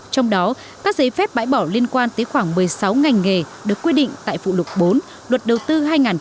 trong đó các giấy phép bãi bỏ liên quan tới khoảng một mươi sáu ngành nghề được quy định tại phụ lục bốn luật đầu tư hai nghìn một mươi bốn